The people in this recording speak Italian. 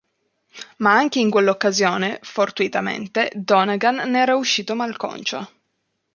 Ma anche in quell’occasione, fortuitamente, Donegan ne era uscito malconcio.